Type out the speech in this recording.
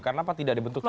kenapa tidak dibentukkan ya